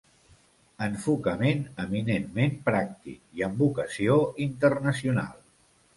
Enfocament eminentment pràctic, i amb vocació internacional.